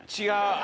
違う！